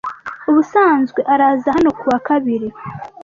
Ubusanzwe araza hano kuwa kabiri.